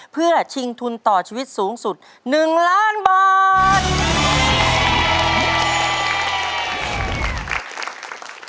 เพื่อชิงทุนต่อชีวิตสูงสุด๑ล้านบาท